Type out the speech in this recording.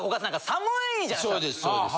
そうですそうです。